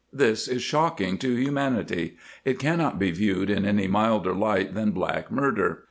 This is shocking to humanity. It cannot be viewed in any milder light than black murder.